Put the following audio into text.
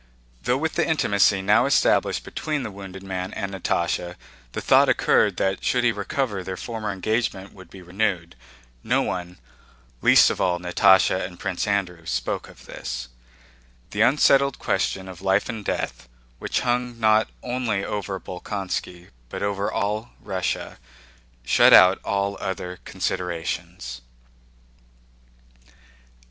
Though with the intimacy now established between the wounded man and Natásha the thought occurred that should he recover their former engagement would be renewed, no one—least of all Natásha and Prince Andrew—spoke of this: the unsettled question of life and death, which hung not only over Bolkónski but over all Russia, shut out all other considerations.